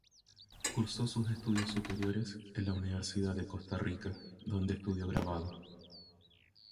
Cursó sus estudios superiores en la Universidad de Costa Rica donde estudió grabado.